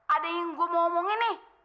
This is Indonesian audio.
ada yang gue mau ngomongin nih